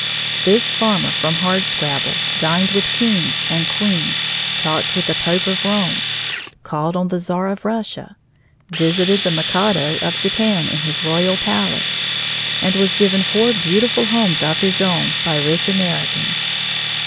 This farmer from Hardscrabble dined with kings and queens, talked with the Pope of Rome, called on the Czar of Russia, visited the Mikado of Japan in his royal palace, and was given four beautiful homes of his own by rich Americans.